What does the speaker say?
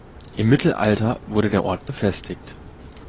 Im Mittelalter wurde der Ort befestigt.